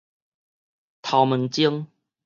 頭毛精